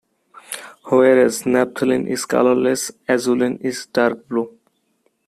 Whereas naphthalene is colourless, azulene is dark blue.